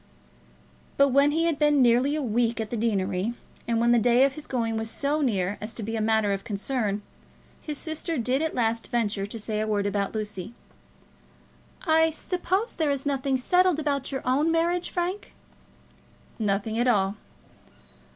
But when he had been nearly a week at the deanery, and when the day of his going was so near as to be a matter of concern, his sister did at last venture to say a word about Lucy. "I suppose there is nothing settled about your own marriage, Frank?" "Nothing at all."